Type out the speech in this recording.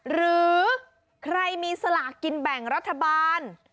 หรือใครมีสลากกินแบ่งรัฐบาล